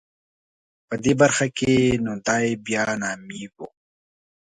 په دې برخه کې نو دای بیا نامي و.